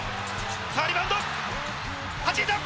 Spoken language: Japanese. リバウンド、はじいた。